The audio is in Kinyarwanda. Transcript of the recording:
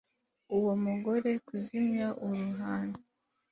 uwo mugore kuzimya uruhando